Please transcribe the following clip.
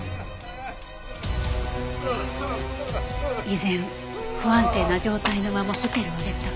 依然不安定な状態のままホテルを出た。